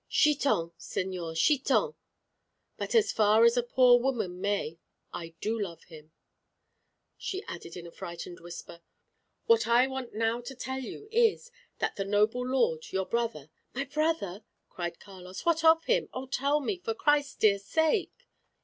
"Chiton,[#] señor! chiton! But as far as a poor woman may, I do love him," she added in a frightened whisper. "What I want now to tell you is, that the noble lord, your brother "[#] Hush. "My brother!" cried Carlos; "what of him? On, tell me, for Christ's dear sake!"